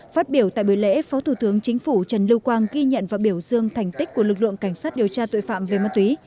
phát biểu tại buổi lễ phó thủ tướng chính phủ trần lưu quang ghi nhận và biểu dương thành tích của lực lượng cảnh sát điều tra tội phạm về ma túy